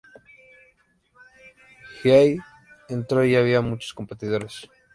Hiei entró y había muchos competidores.